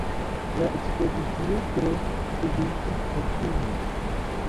La ekspediciestro subite rektiĝis.